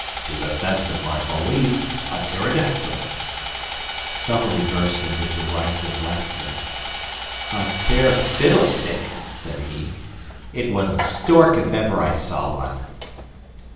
"To the best of my belief, a pterodactyl." Summerlee burst into derisive laughter "A pter fiddlestick!" said he. "It was a stork, if ever I saw one."